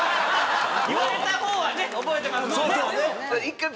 言われた方はね覚えてますからね。